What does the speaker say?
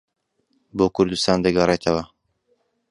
بۆ کوردستان دەگەڕێتەوە